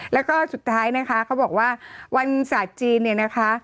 แล้วก็สุดท้ายนะคะเขาบอกว่าวันศาสตร์จีนเนี่ยนะคะ